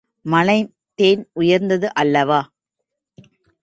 மலைத் தேன் உயர்ந்தது அல்லவா?